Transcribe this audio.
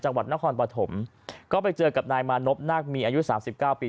จังหวัดนครปฐมก็ไปเจอกับนายมานพนักมีอายุสามสิบเก้าปี